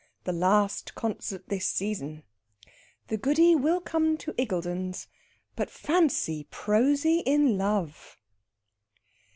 THE LAST CONCERT THIS SEASON. THE GOODY WILL COME TO IGGULDEN'S. BUT FANCY PROSY IN LOVE!